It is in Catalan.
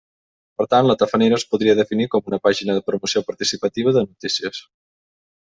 Per tant, la Tafanera es podria definir com una pàgina de promoció participativa de notícies.